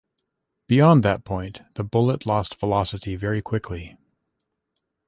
Beyond that point, the bullet lost velocity very quickly.